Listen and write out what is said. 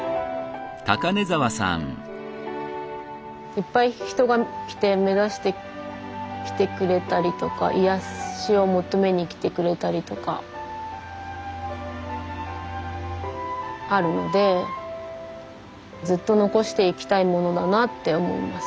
いっぱい人が来て目指してきてくれたりとか癒やしを求めに来てくれたりとかあるのでずっと残していきたいものだなって思います